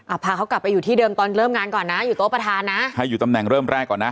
พาเขากลับไปอยู่ที่เดิมตอนเริ่มงานก่อนนะอยู่โต๊ะประธานนะให้อยู่ตำแหน่งเริ่มแรกก่อนนะ